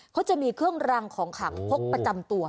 เขาจะมีเครื่องรังของขังพกประจำตัว